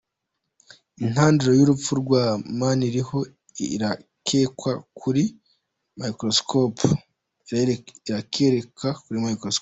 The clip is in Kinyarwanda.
Intandaro y’urupfu rwa Maniriho irakekerwa kuri Microscope.